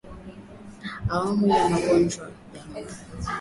Awamu ya Magonjwa ya Ng'ombe